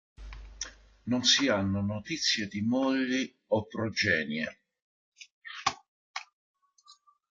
Non si hanno notizie di mogli o progenie.